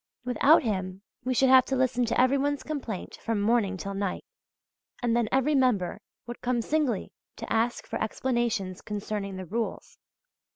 Without him we should have to listen to every one's complaint from morning till night; and then every member would come singly to ask for explanations concerning the rules{W}.